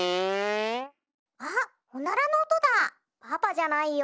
パパじゃないよ。